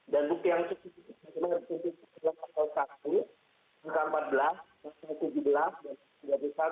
dan bukti yang cukup itu adalah bukti terminal satu empat belas tujuh belas dan tiga puluh satu